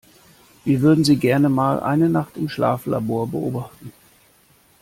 Wir würden Sie gerne mal eine Nacht im Schlaflabor beobachten.